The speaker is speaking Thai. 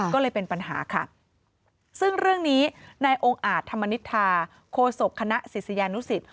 ก็เลยเป็นปัญหาค่ะซึ่งเรื่องนี้นายองค์อาจธรรมนิษฐาโคศกคณะศิษยานุสิต